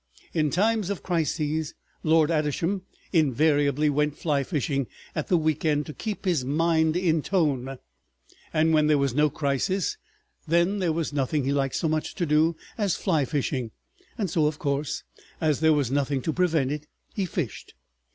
In times of crisis Lord Adisham invariably went fly fishing at the week end to keep his mind in tone, and when there was no crisis then there was nothing he liked so much to do as fly fishing, and so, of course, as there was nothing to prevent it, he fished.